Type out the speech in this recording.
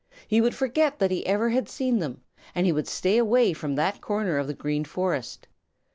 He would forget that he ever had seen them, and he would stay away from that corner of the Green Forest.